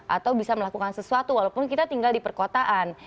atau bisa melakukan sesuatu walaupun kita tinggal di perkotaan